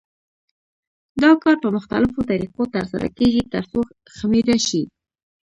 دا کار په مختلفو طریقو تر سره کېږي ترڅو خمېره شي.